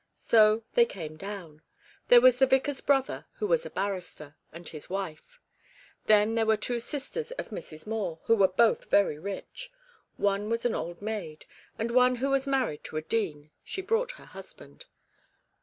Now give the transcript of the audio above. So they came down. There was the vicar's brother, who was a barrister, and his wife. Then there were two sisters of Mrs. Moore, who were both very rich. One was an old maid, and one was married to a dean she brought her husband.